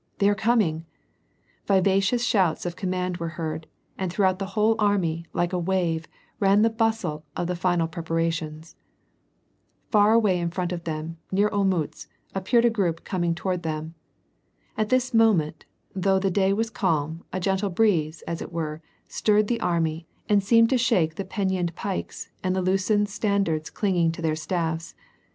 They are coming!" Vivacious shouts of command were heard, and throughout the whole army, like a wave, ran the bustle of the final preparations. Far away in front of them, near Olmtitz, appeared a group coming toward them. And at this moment, though the day was calm, a gentle breeze, as it were, stirred the army, and seemed to shake the pennoned pikes, and the loosened stand ards clinging to their staffs.